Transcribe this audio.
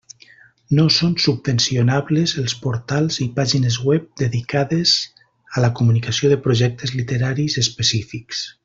No són subvencionables els portals i pàgines web dedicades a la comunicació de projectes literaris específics.